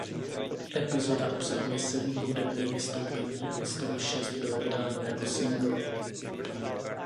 Epizoda obsahuje sedm hudebních vystoupení a z toho šest bylo vydáno jako singl.